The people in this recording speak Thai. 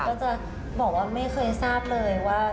ก็จะบอกว่าไม่เคยทราบเลยว่า